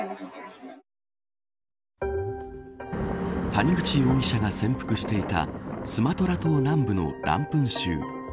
谷口容疑者が潜伏していたスマトラ島南部のランプン州。